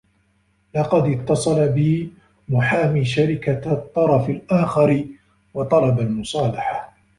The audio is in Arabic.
لقد اتّصل بي محامي شركة الطّرف الآخر و طلب المصالحة.